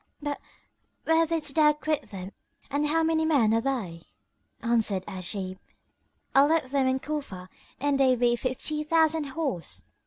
But where didst thou quit them and how many men are they?" Answered Ajib, "I left them in Cufa and they be fifty thousand horse."